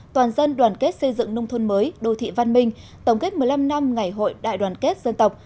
toàn dân đoàn kết xây dựng nông thôn mới đô thị văn minh tổng kết một mươi năm năm ngày hội đại đoàn kết dân tộc